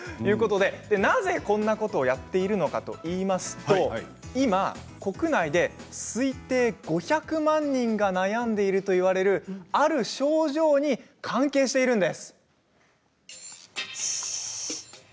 なぜ、こんなことをやってるのかといいますと今、国内で推定５００万人が悩んでいるといわれるある症状に関係しているんです。